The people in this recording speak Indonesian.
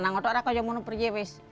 nanggut ngagut aja mau berjaya